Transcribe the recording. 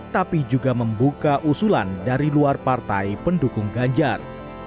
tapi juga membuka usulan dari luar partai pendukung ganjar